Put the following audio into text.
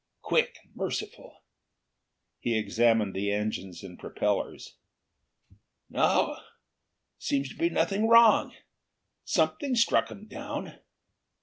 Quick and merciful." He examined the engines and propellers. "No. Seems to be nothing wrong. Something struck them down!"